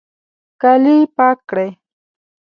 کالي پاک کړئ